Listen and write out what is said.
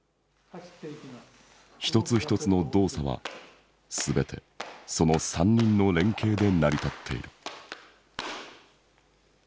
一つ一つの動作は全てその三人の連携で成り立っている。